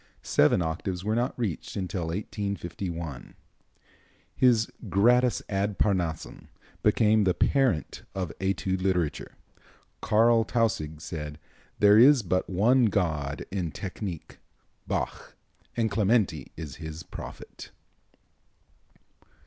Seven octaves were not reached until 1851. His "Gradus ad Parnassum" became the parent of Etude literature. Carl Tausig said: "There is but one god in technique, Bach, and Clementi is his prophet."